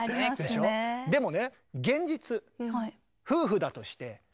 でもね